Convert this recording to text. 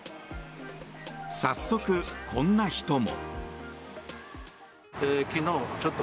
早速、こんな人も。